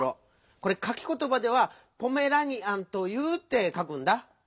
これかきことばでは「ポメラニアンという」ってかくんだ。